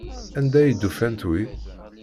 Anda ay d-ufant wi?